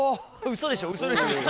嘘でしょ？